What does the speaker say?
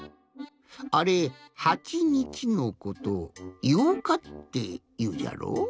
あれ「はちにち」のことを「八日」っていうじゃろ。